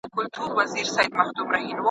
مشران دلته خپلي تجربې شريکوي.